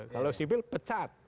kalau sipil pecat